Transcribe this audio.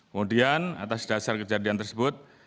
kemudian atas dasar kejadian tersebut